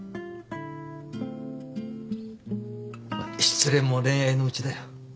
失恋も恋愛のうちだよ。